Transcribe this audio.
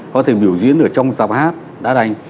có thể biểu diễn ở trong sạp hát đá đánh